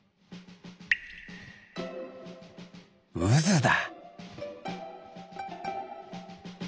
うずだ。